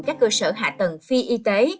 các cơ sở hạ tầng phi y tế